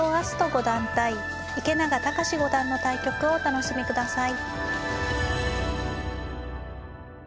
五段対池永天志五段の対局をお楽しみください。